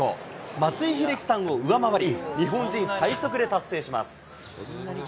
松井秀喜さんを上回り、日本人最速で達成します。